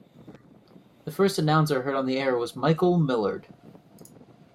The first announcer heard on the air was Michel Millard.